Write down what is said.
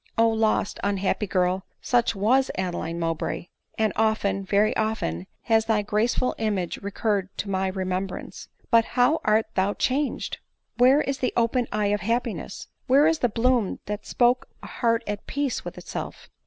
Q lost, unhappy girl ! such was Adeline Mowbray ; and often, very often, has thy graceful image recurred to my remembrance ; but, how art thou changed ! Where is the open eye of happiness ? where is the bloom that spoke a heart at peace with itself?